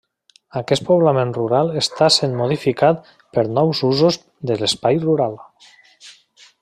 Aquest poblament rural està sent modificat per nous usos de l'espai rural.